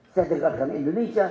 saya dengarkan indonesia